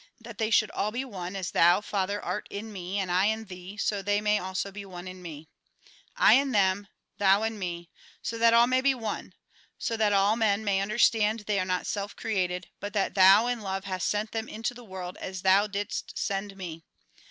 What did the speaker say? That they should all be one ; as Thou, Father, art in me, and I in Thee, so they may also be one in me. I in them, Thou in me, so that all may be one ; so that all men may understand they are not self created, but that Thou, in love, hast sent them into the world as Thou didst send me.